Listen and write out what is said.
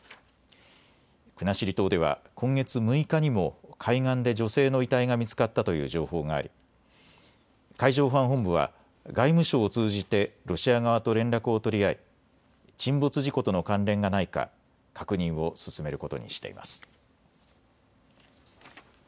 国後島では今月６日にも海岸で女性の遺体が見つかったという情報があり海上保安本部は外務省を通じてロシア側と連絡を取り合い沈没事故との関連がないか確認を進めることにしています。